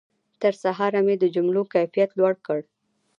تر سهاره مې د جملو کیفیت لوړ کړ.